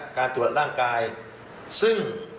การตรวจร่างกายซึ่ง